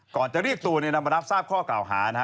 ก่อนจะเรียกตัวนำมารับทราบข้อกล่าวหานะฮะ